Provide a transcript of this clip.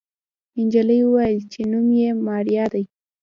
نجلۍ وويل چې نوم يې ماريا دی.